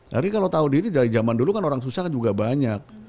tapi kalau tahu diri dari zaman dulu kan orang susah juga banyak